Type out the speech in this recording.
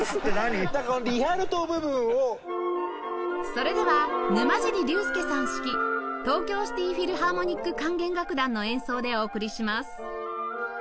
それでは沼尻竜典さん指揮東京シティ・フィルハーモニック管弦楽団の演奏でお送りします